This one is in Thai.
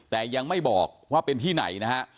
แต่ยังไม่บอกว่าเป็นที่ไหนนะฮะ